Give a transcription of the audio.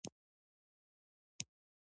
د افغانستان بدبختي تماشې ته کښېناستل.